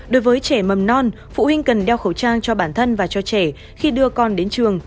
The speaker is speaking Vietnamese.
đối với trẻ mầm non phụ huynh cần đeo khẩu trang cho bản thân và cho trẻ khi đưa con đến trường